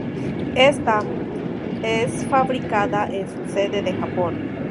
Ésta, es fabricada en su sede de Japón.